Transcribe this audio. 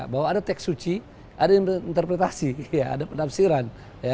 bahwa ada teks suci ada interpretasi ada penafsiran